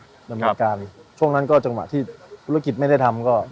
หนังวดการณ์ครับช่วงนั้นก็จังหวะที่ธุรกิจไม่ได้ทำก็